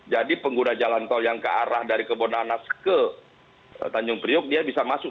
jadi pengguna jalan tol yang ke arah dari kebonanas ke tanjung priok dia bisa masuk